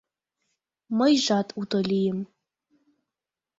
Мыйжат уто лийым.